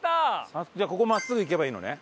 ここ真っすぐ行けばいいのね